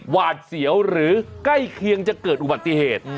หวาดเสียวหรือใกล้เคียงจะเกิดอุบัติเหตุ